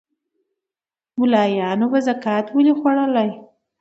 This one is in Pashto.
مُلایانو به زکات ولي خوړلای